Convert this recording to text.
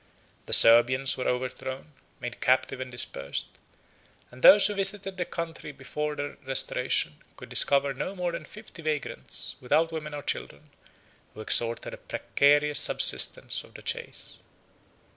The Servians were overthrown, made captive and dispersed; and those who visited the country before their restoration could discover no more than fifty vagrants, without women or children, who extorted a precarious subsistence from the chase.